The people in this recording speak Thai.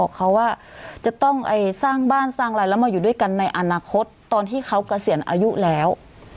เขาว่าจะต้องสร้างบ้านสร้างอะไรแล้วมาอยู่ด้วยกันในอนาคตตอนที่เขาเกษียณอายุแล้ว